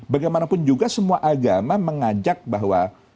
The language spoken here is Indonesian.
bagaimanapun juga semua agama mengajak bahwa